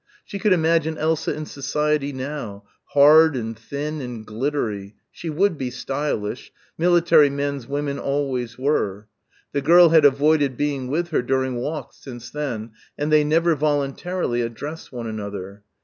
She could imagine Elsa in society now hard and thin and glittery she would be stylish military men's women always were. The girl had avoided being with her during walks since then, and they never voluntarily addressed one another.